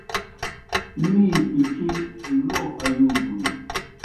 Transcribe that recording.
می پِڇی لو ایوگُن۔